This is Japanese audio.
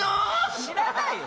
知らないよ。